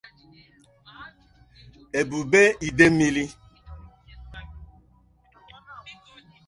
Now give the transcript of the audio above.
Ebube Idemili